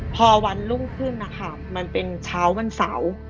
พอวันรุ่งขึ้นนะคะมันเป็นเช้าวันเสาร์